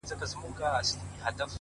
ماته اسانه سو د لوی خدای په عطا مړ سوم;